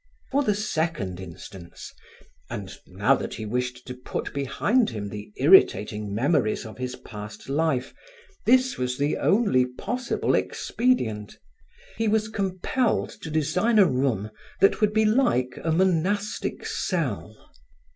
For the second instance, and now that he wished to put behind him the irritating memories of his past life, this was the only possible expedient he was compelled to design a room that would be like a monastic cell.